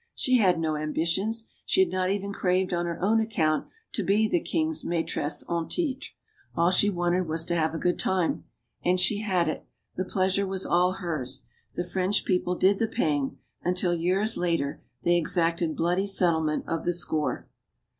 She had no ambitions. She had not even craved on her own account to be the king's maitresse en titre. All she wanted was to have a good time. And she had it. The pleasure was all hers. The French people did the paying; until, years later, they exacted bloody settlement of the score.